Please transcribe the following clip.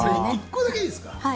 １個だけいいですか。